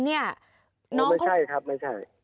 ไม่ใช่ครับไม่ใช่